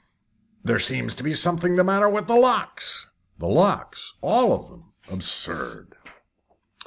"There seems to be something the matter with the locks." "The locks? All of them? Absurd!"